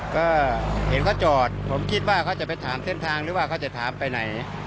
ก็เห็นเขาจอดผมคิดว่าเขาจะไปถามเส้นทางหรือว่าเขาจะถามไปไหน